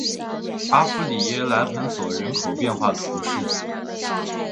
阿夫里耶莱蓬索人口变化图示